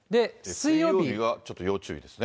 水曜日はちょっと要注意ですね。